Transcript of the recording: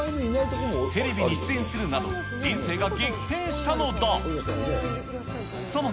テレビに出演するなど、人生が激変したのだ。